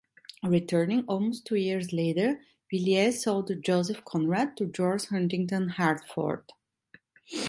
Returning almost two years later, Villiers sold the "Joseph Conrad" to George Huntington Hartford.